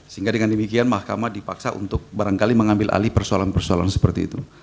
sehingga dengan demikian mahkamah dipaksa untuk barangkali mengambil alih persoalan persoalan seperti itu